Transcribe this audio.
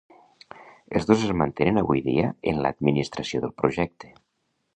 Els dos es mantenen avui dia en l'administració del projecte.